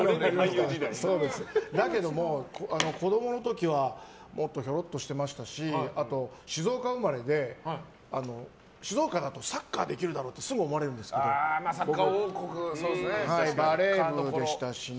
だけども子供の時はひょろっとしてましたし静岡生まれで静岡だとサッカーできるだろってすぐ思われるんですけど僕、バレー部でしたしね。